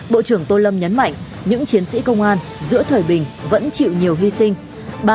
bộ trưởng tô lâm nhấn mạnh những chiến sĩ công an giữa thời bình vẫn chịu nhiều hy sinh